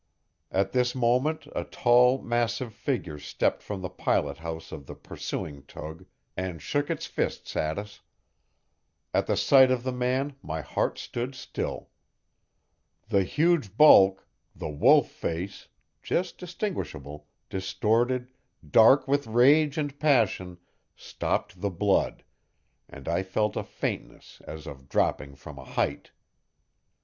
At this moment a tall, massive figure stepped from the pilot house of the pursuing tug and shook its fists at us. At the sight of the man my heart stood still. The huge bulk, the wolf face, just distinguishable, distorted, dark with rage and passion, stopped the blood, and I felt a faintness as of dropping from a height.